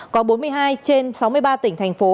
có bốn mươi hai trên sáu mươi ba tỉnh thành phố